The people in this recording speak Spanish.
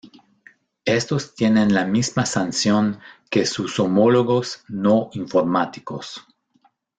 Estos tienen la misma sanción que sus homólogos no informáticos.